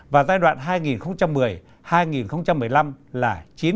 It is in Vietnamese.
và giai đoạn hai nghìn một mươi hai nghìn một mươi năm là chín mươi